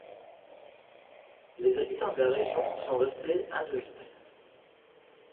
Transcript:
Les habitants de la région sont restés hindouistes.